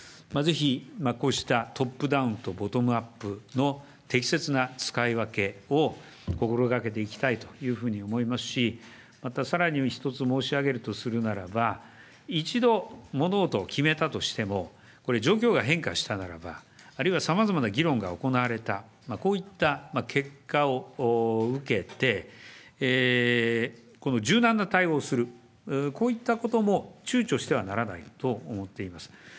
ぜひこうしたトップダウンとボトムアップの適切な使い分けを、心がけていきたいというふうに思いますし、またさらに１つ申し上げとするならば、一度物事を決めたとしても、これ、状況が変化したならば、あるいはさまざまな議論が行われた、こういった結果を受けて、柔軟な対応をする、こういったこともちゅうちょしてはならないと思っています。